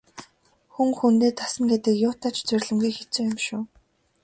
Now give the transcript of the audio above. Хүн хүндээ дасна гэдэг юутай ч зүйрлэмгүй хэцүү юм шүү.